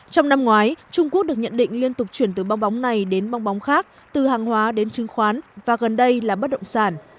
trong năm ngoái trung quốc được nhận định liên tục chuyển từ bong bóng này đến bong bóng khác từ hàng hóa đến chứng khoán và gần đây là bất động sản